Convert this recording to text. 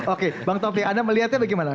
oke bang taufik anda melihatnya bagaimana